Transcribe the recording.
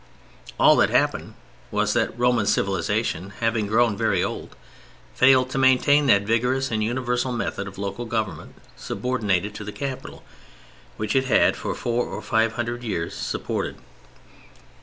All that happened was that Roman civilization having grown very old, failed to maintain that vigorous and universal method of local government subordinated to the capital, which it had for four or five hundred years supported.